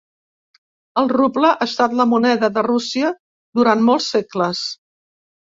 El ruble ha estat la moneda de Rússia durant molts segles.